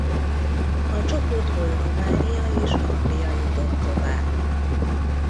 A csoportból Románia és Anglia jutott tovább.